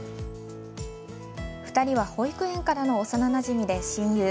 ２人は保育園からの幼なじみで親友。